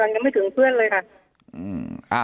ยังไม่ถึงเพื่อนเลยค่ะ